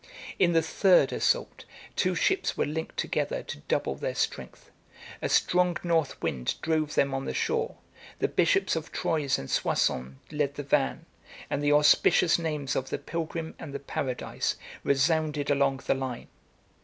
In the third assault, two ships were linked together to double their strength; a strong north wind drove them on the shore; the bishops of Troyes and Soissons led the van; and the auspicious names of the pilgrim and the paradise resounded along the line.